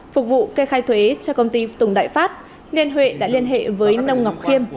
phục vụ cây khai thuế cho công ty tùng đại pháp nguyễn huệ đã liên hệ với nông ngọc khiêm